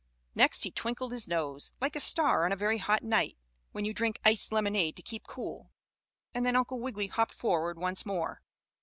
Next he twinkled his nose, like a star on a very hot night, when you drink iced lemonade to keep cool, and then Uncle Wiggily hopped forward once more.